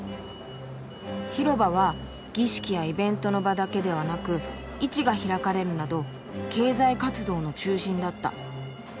「広場は儀式やイベントの場だけではなく市が開かれるなど経済活動の中心だった。